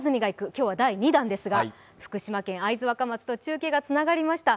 今日は第２弾ですが福島県会津若松と中継がつながりました。